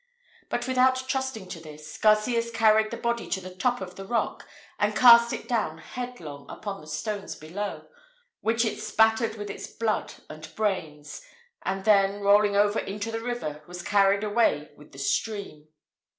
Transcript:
But without trusting to this, Garcias carried the body to the top of the rock, and cast it down headlong upon the stones below, which it spattered with its blood and brains, and then, rolling over into the river, was carried away with the stream.